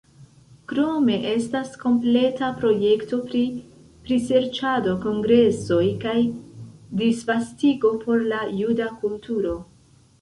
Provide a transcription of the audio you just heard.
Krome estas kompleta projekto pri priserĉado, kongresoj kaj disvastigo por la juda kulturo.